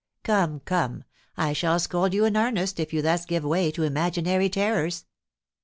"Come! come! I shall scold you in earnest if you thus give way to imaginary terrors."